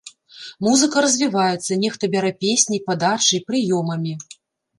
Музыка развіваецца, нехта бярэ песняй, падачай, прыёмамі.